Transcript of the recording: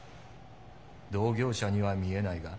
同業者には見えないが。